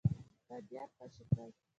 بندیان خوشي کړل.